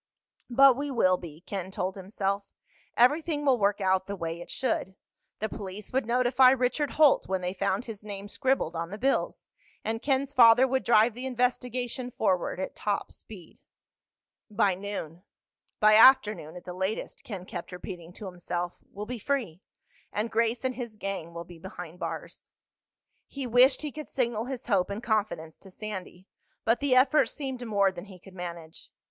But we will be, Ken told himself. Everything will work out the way it should. The police would notify Richard Holt when they found his name scribbled on the bills, and Ken's father would drive the investigation forward at top speed. "By noon—by afternoon at the latest," Ken kept repeating to himself, "we'll be free. And Grace and his gang will be behind bars." He wished he could signal his hope and confidence to Sandy, but the effort seemed more than he could manage.